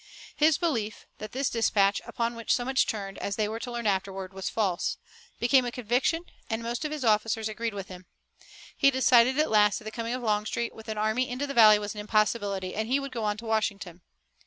His belief that this dispatch, upon which so much turned, as they were to learn afterward, was false, became a conviction and most of his officers agreed with him. He decided at last that the coming of Longstreet with an army into the valley was an impossibility, and he would go on to Washington.